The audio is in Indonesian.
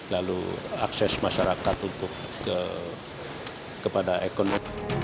lalu akses masyarakat untuk kepada ekonomi